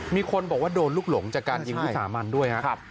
มีคนบอกว่าโดนลูกหลงจากการยิงวิสามันด้วยครับ